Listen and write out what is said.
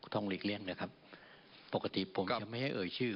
หลีกเลี่ยงด้วยครับปกติผมจะไม่ให้เอ่ยชื่อ